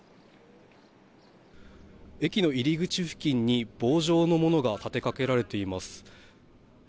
駅の入り口付近に棒状のものが立てかけられています。